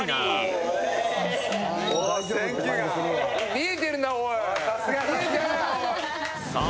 見えてるなおいさあ